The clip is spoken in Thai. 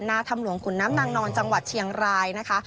ถ้ำหลวงขุนน้ำนางนอนจังหวัดเชียงรายนะคะ